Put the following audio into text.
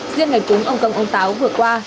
riêng ngày cúng ông công ông táo vừa qua